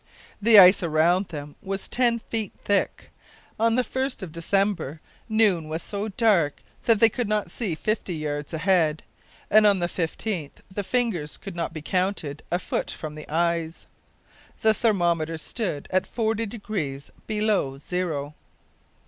The ice around them was ten feet thick. On the 1st of December noon was so dark that they could not see fifty yards ahead, and on the 15th the fingers could not be counted a foot from the eyes. The thermometer stood at 40 degrees below zero.